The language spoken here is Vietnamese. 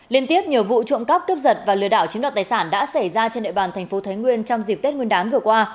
liên tiếp nhiều vụ trộm cắp cướp giật và lừa đảo chiếm đoạt tài sản đã xảy ra trên địa bàn thành phố thái nguyên trong dịp tết nguyên đán vừa qua